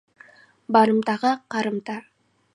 Барымтаға қарымта.